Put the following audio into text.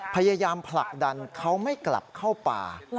พยายามผลักดันเขาไม่กลับเข้าป่า